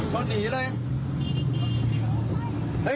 ก็หนีเลย